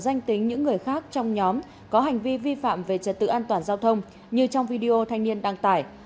danh tính những người khác trong nhóm có hành vi vi phạm về trật tự an toàn giao thông như trong video thanh niên đăng tải